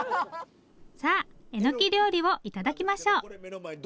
さあえのき料理を頂きましょう。